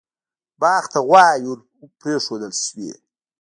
باغ ته غواوې ور پرېښودل شوې.